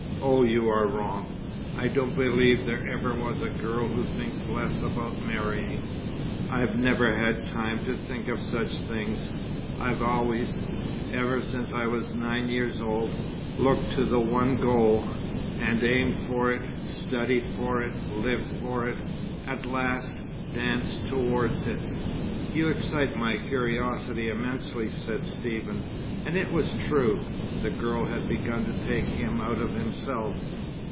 "Oh, you are wrong! I don't believe there ever was a girl who thinks less about marrying. I've never had time to think of such things. I've always ever since I was nine years old looked to the one goal, and aimed for it, studied for it, lived for it at last, danced towards it." "You excite my curiosity immensely," said Stephen. And it was true. The girl had begun to take him out of himself.